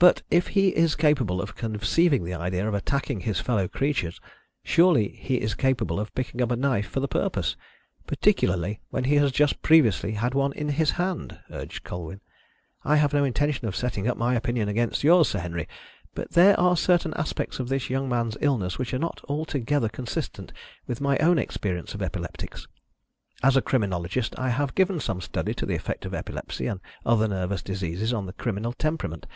"But, if he is capable of conceiving the idea of attacking his fellow creatures, surely he is capable of picking up a knife for the purpose, particularly when he has just previously had one in his hand?" urged Colwyn. "I have no intention of setting up my opinion against yours, Sir Henry, but there are certain aspects of this young man's illness which are not altogether consistent with my own experience of epileptics. As a criminologist, I have given some study to the effect of epilepsy and other nervous diseases on the criminal temperament.